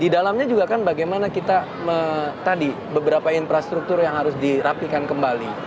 di dalamnya juga kan bagaimana kita tadi beberapa infrastruktur yang harus dirapikan kembali